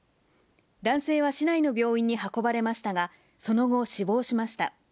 男性は市内の病院に運ばれましたが、その後、死亡しました。